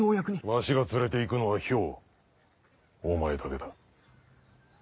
わしが連れて行くのは漂お前だけだ。